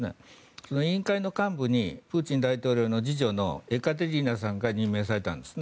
その委員会の幹部にプーチン大統領の次女のエカテリーナさんから任命されたんですね。